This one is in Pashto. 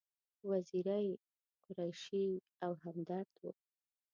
وزیری، قریشي او همدرد و.